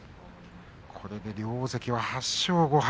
これで大関は８勝５敗。